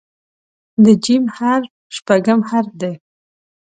د "ج" حرف شپږم حرف دی.